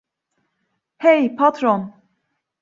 Hey, patron!